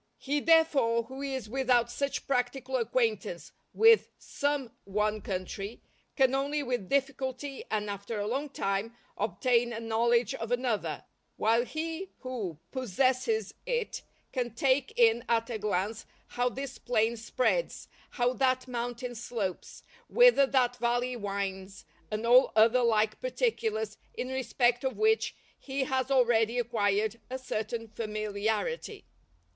He therefore who is without such practical acquaintance with some one country, can only with difficulty, and after a long time, obtain a knowledge of another, while he who possesses it can take in at a glance how this plain spreads, how that mountain slopes, whither that valley winds, and all other like particulars in respect of which he has already acquired a certain familiarity.